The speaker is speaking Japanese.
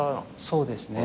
そうですね。